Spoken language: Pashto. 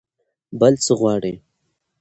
بل څه غواړئ؟